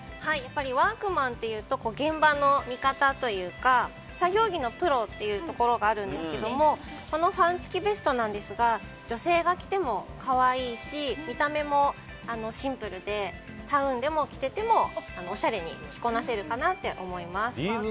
ワークマンというと現場の味方というか作業着のプロというところがあるんですがこのファン付きベストなんですが女性が着ても可愛いし見た目もシンプルでタウンでも着てても、おしゃれに着こなせるかなと思います。